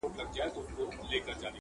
یا دي کډه له خپل کوره بارومه،